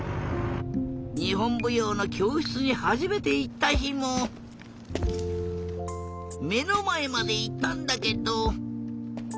にほんぶようのきょうしつにはじめていったひもめのまえまでいったんだけど。